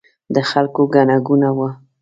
د خلکو ګڼه ګوڼه وه.